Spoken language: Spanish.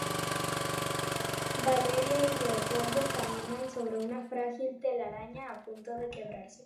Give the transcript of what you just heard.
Valeria y Leopoldo caminan sobre una frágil telaraña a punto de quebrarse.